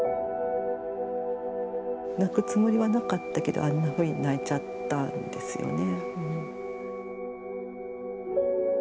泣くつもりはなかったけどあんなふうに泣いちゃったんですよね。